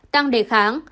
tăng đề kháng